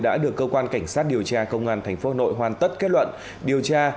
đã được cơ quan cảnh sát điều tra công an tp hcm hoàn tất kết luận điều tra